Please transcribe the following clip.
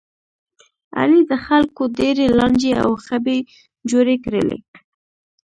علي د خلکو ډېرې لانجې او خبې جوړې کړلې.